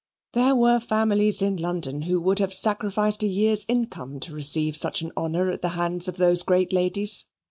There were families in London who would have sacrificed a year's income to receive such an honour at the hands of those great ladies.